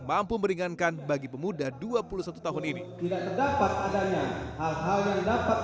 mampu meringankan bagi pemuda dua puluh satu tahun ini tidak terdapat adanya hal hal yang dapat